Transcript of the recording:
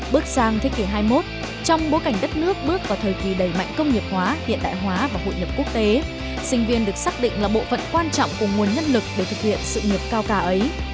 bước sang thế kỷ hai mươi một trong bối cảnh đất nước bước vào thời kỳ đầy mạnh công nghiệp hóa hiện đại hóa và hội nhập quốc tế sinh viên được xác định là bộ phận quan trọng của nguồn nhân lực để thực hiện sự nghiệp cao cả ấy